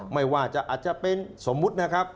ไม่ว่าจะอาจจะเป็นสมมุตินะครับ